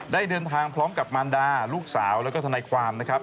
ได้เดินทางพร้อมกับมารดาลูกสาวแล้วก็ทนายความนะครับ